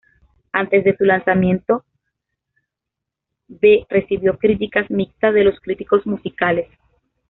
Antes de su lanzamiento, "V" recibió críticas mixtas de los críticos musicales.